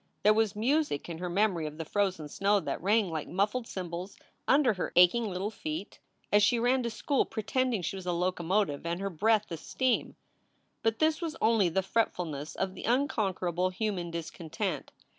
There was music in her memory of the frozen snow that rang like muffled cymbals under her aching little feet as she ran to school pretending she was a locomotive and her breath the steam. But this was only the fretfulness of the unconquerable human discontent.